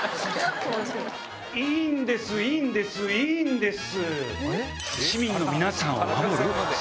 いいんですいいんですいいんです！